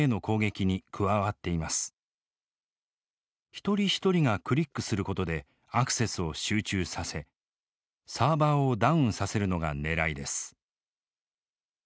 一人一人がクリックすることでアクセスを集中させサーバーをダウンさせるのがねらいです。